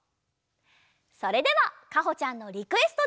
それではかほちゃんのリクエストで。